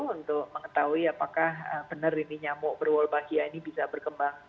untuk mengetahui apakah benar ini nyamuk berwarbagia ini bisa berkembang